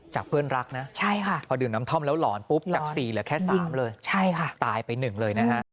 เพื่อนรักนะพอดื่มน้ำท่อมแล้วหลอนปุ๊บจาก๔เหลือแค่๓เลยตายไป๑เลยนะฮะ